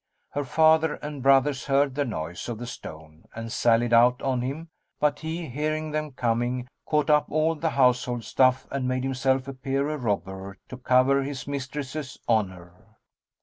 Her father and brothers heard the noise of the stone and sallied out on him; but he, hearing them coming, caught up all the household stuff and made himself appear a robber to cover his mistress's honour.